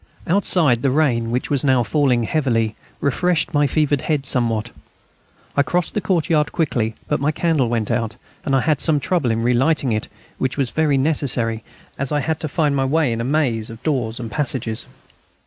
Outside, the rain, which was now falling heavily, refreshed my fevered head somewhat. I crossed the courtyard quickly; but my candle went out, and I had some trouble in relighting it, which was very necessary, as I had to find my way in a maze of doors and passages.